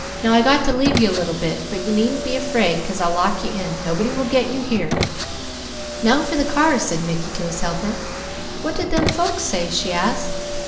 Now I got to leave you a little bit, but you needn't be afraid, 'cause I'll lock you in. Nobody will 'get' you here." "Now for the cars," said Mickey to his helper. "What did them folks say?" she asked.